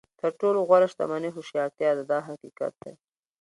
تر ټولو غوره شتمني هوښیارتیا ده دا حقیقت دی.